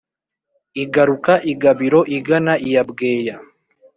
igaruka i gabiro igana iya bweya